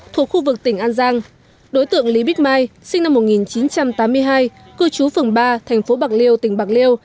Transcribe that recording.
thuộc khu vực tỉnh an giang đối tượng lý bích mai sinh năm một nghìn chín trăm tám mươi hai cư trú phường ba thành phố bạc liêu tỉnh bạc liêu